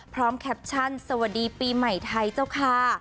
แคปชั่นสวัสดีปีใหม่ไทยเจ้าค่ะ